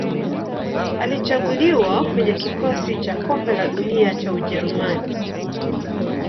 Alichaguliwa kwenye kikosi cha Kombe la Dunia cha Ujerumani.